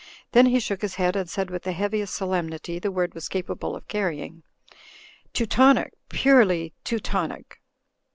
Then he shook his head and said with the heaviest solemnity the word was capable of carrying, "Teutonic, purely Teutonic."